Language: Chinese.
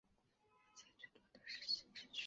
历届最多的实习职缺